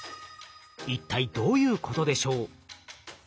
一体どういうことでしょう？